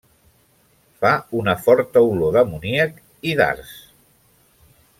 Fa una forta olor d'amoníac i d'arç.